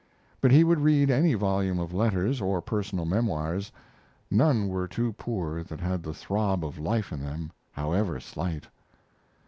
But he would read any volume of letters or personal memoirs; none were too poor that had the throb of life in them, however slight.